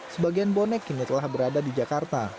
sebagian bonek kini telah berada di jakarta